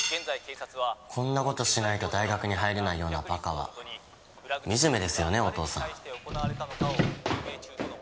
こんな事しないと大学に入れないようなバカは惨めですよねお父さん。